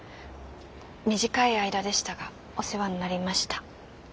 短い間でしたがお世話になりました。